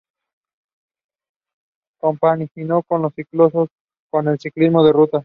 Compaginó el ciclocross con el ciclismo en ruta.